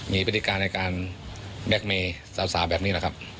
มีพฤติการในการแบล็กเมย์สาวแบบนี้แหละครับ